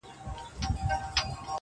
له دې نه مخكي چي ته ما پرېږدې.